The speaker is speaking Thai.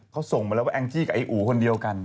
เขาส่งมาแล้วว่าแองจี้กับไอ้อู๋คนเดียวกัน